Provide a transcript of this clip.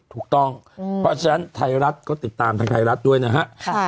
ถูกต้องเพราะฉะนั้นไทยรัฐก็ติดตามทางไทยรัฐด้วยนะฮะ